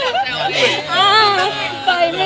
สนุกหัวใจไปสินะพูด